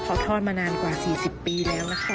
เขาทอดมานานกว่า๔๐ปีแล้วนะคะ